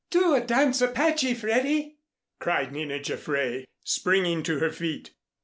"Do a 'Dance Apache,' Freddy," cried Nina Jaffray, springing to her feet.